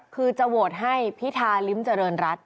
คือจะโหวตให้พิธาลิ้มเจริญรัฐ